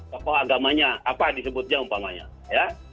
tokoh agamanya apa disebutnya umpamanya ya